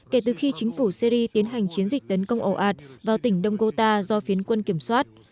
kể từ khi chính phủ syri tiến hành chiến dịch tấn công ẩu ạt vào tỉnh đông gota do phiến quân kiểm soát